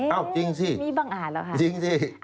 อ้าวจริงสิจริงสิ